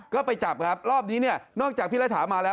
ก็ไปจับครับรอบนี้เนี่ยนอกจากพี่รัฐามาแล้ว